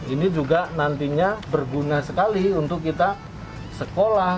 ini juga nantinya berguna sekali untuk kita sekolah